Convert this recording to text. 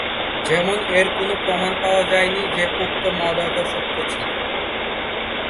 যেমন এর কোনো প্রমাণ পাওয়া যায়নি যে পো মাদকাসক্ত ছিলো।